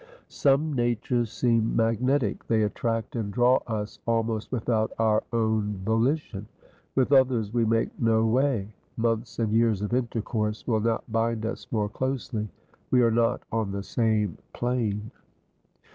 Some natures seem magnetic; they attract and draw us almost without our own volition. With others we make no way, months and years of intercourse will not bind us more closely. We are not on the same plane.